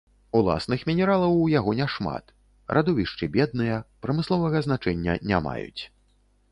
Уласных мінералаў у яго няшмат, радовішчы бедныя, прамысловага значэння не маюць.